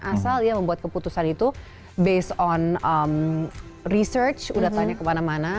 asal ya membuat keputusan itu based on research udah tanya kemana mana